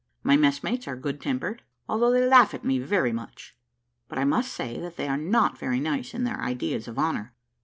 My messmates are good tempered, although they laugh at me very much: but I must say that they are not very nice in their ideas of honour.